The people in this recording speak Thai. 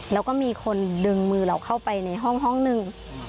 แล้วก็มีคนดึงมือเราเข้าไปในห้องหนึ่ง